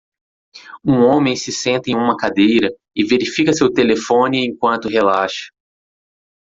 Um homem se senta em uma cadeira e verifica seu telefone enquanto relaxa.